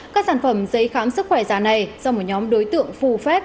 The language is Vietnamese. các sản phẩm giấy khám sức khỏe giả này do một nhóm đối tượng phù phép